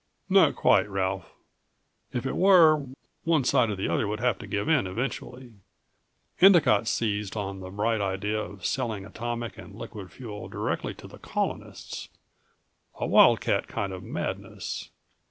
"Not quite, Ralph. If it were, one side or the other would have to give in eventually. Endicott seized on the bright idea of selling atomic and liquid fuel directly to the Colonists. A wildcat kind of madness.